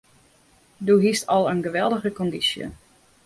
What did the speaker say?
Doe hiest al in geweldige kondysje.